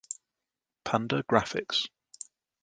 Panda Graphics.